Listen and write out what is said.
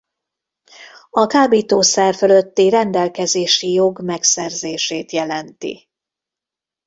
A kábítószer fölötti rendelkezési jog megszerzését jelenti.